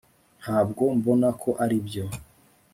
ntabwo mbona ko aribyo